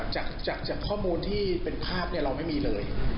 จากข้อมูลที่เป็นภาพเราไม่มีเลย